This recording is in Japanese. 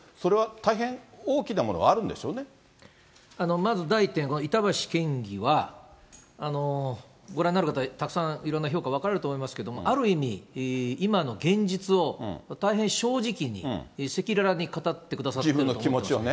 まず第１点、板橋県議は、ご覧になる方、たくさんいろんな評価分かれると思いますけれども、ある意味、今の現実を大変正直に赤裸々に語ってくださっているんですね。